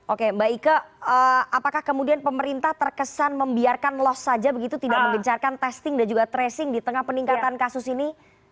oke mbak ike apakah kemudian pemerintah terkesan membiarkan loss saja begitu tidak menggencarkan testing dan juga tracing di tengah peningkatan kasus ini